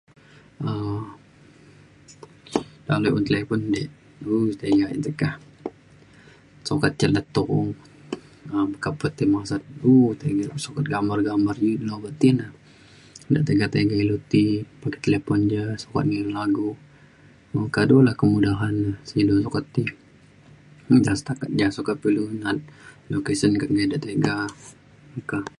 um ame un talipon di du tiga te ka. sukat cin letong um meka pe tai masat [unintelligible] tiga. sukat gambar [unintelligible] obak ti na. da tiga tiga ilu ti pakai talipon ja sukat ilu lagu okak du na kemudahan sek du sukat ti. [unintelligible] sukat pa ilu na’at du ke sen nai de tiga meka.